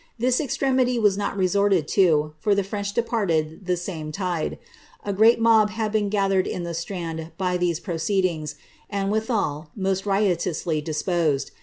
This extremity was not retort«i to, for tlie French departed the same tide. A great mob had beeo gathered in the Strand by these proceedings, and withal most riotoody disposed.